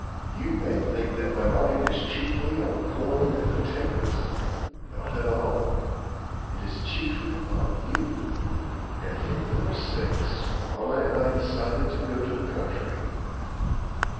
You may think that my mind is chiefly on corn and potatoes. Not at all. It is chiefly on you; and for your sakes mamma and I decided to go to the country."